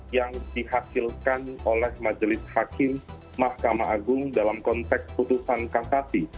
yang dihasilkan oleh majelis hakim mahkamah agung dalam konteks putusan kasati